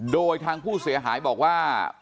โดยทางผู้เสียหายบอกว่า